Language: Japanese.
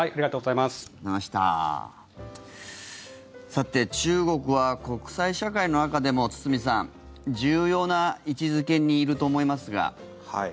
さて、中国は国際社会の中でも、堤さん重要な位置付けにいると思いますが。